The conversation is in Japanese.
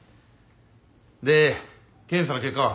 で検査の結果は？